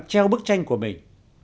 treo bức tranh của mình